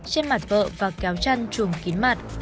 trên mặt vợ và kéo chăn chuồng kín mặt